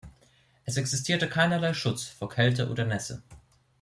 Es existierte keinerlei Schutz vor Kälte oder Nässe.